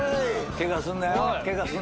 ケガすんなよ。